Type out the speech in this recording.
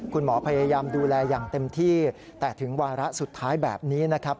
คุณหมอพยายามดูแลอย่างเต็มที่แต่ถึงวาระสุดท้ายแบบนี้นะครับ